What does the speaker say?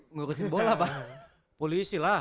ngurusin bola bang polisi lah